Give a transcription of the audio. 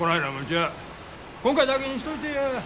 今回だけにしといてや。